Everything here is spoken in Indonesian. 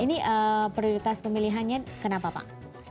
ini prioritas pemilihannya kenapa pak